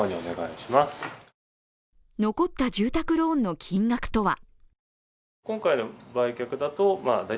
残った住宅ローンの金額とは。